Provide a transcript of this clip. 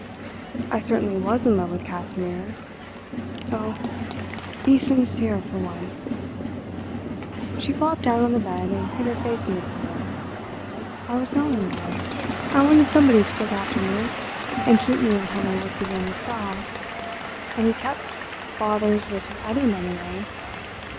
I certainly was in love with Casimir.... Oh, be sincere for once." She flopped down on the bed and hid her face in the pillow. "I was not in love. I wanted somebody to look after me—and keep me until my work began to sell—and he kept bothers with other men away.